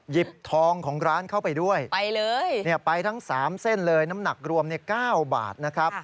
หยิบทองของร้านเข้าไปด้วยไปเลยไปทั้ง๓เส้นเลยน้ำหนักรวม๙บาทนะครับ